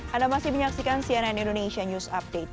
anda masih menyaksikan cnn indonesia news update